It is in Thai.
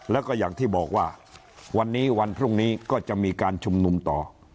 และอย่างที่บอกว่าวันพรุ่งนี้ก็จะมีการชุมนุมต่อ